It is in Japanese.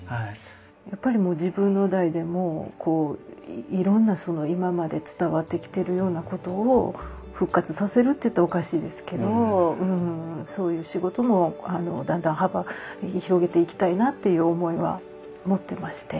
やっぱりもう自分の代でもういろんなその今まで伝わってきてるようなことを復活させるって言ったらおかしいですけどそういう仕事もだんだん幅広げていきたいなっていう思いは持ってまして。